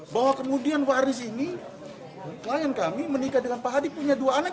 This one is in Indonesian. bahwa kemudian pak aris ini klien kami menikah dengan pak hadi punya dua anak